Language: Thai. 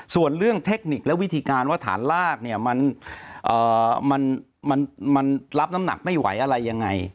ส่วนเรื่องเทคนิคและวิธีการว่าฐานลากเนี่ยมันรับน้ำหนักไม่ไหวอะไรยังไง